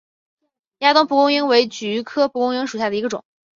亚东蒲公英为菊科蒲公英属下的一个种。